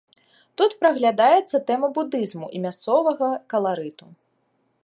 Тут праглядаецца тэма будызму і мясцовага каларыту.